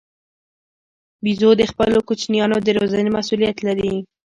بیزو د خپلو کوچنیانو د روزنې مسوولیت لري.